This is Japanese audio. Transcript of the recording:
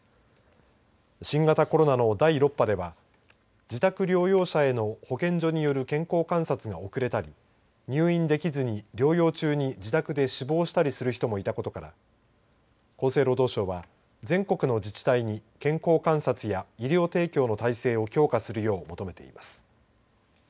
新型コロナの第６波では自宅療養者への保健所による健康観察が遅れたり入院できずに療養中に自宅で死亡したりする人もいたことから厚生労働省は全国の自治体に健康観察や医療提供の体制を強化するよう求めています。